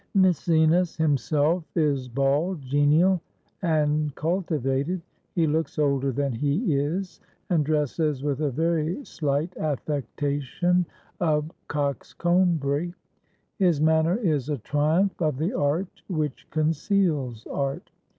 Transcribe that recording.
Maecenas himseK is bald, genial, and cultivated; he looks older than he is, and dresses with a very sUght affectation of coxcombry ; his manner is a triumph of the art which conceals art.